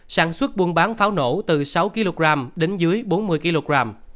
sản xuất buôn bán pháo nổ từ sáu kg đến dưới bốn mươi kg